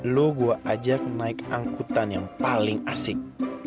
lo gue ajak naik angkutan yang paling asik